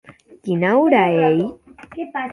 Quina ora ei?